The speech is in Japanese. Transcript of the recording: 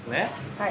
はい。